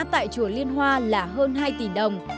tại chùa liên hoa là hơn hai tỷ đồng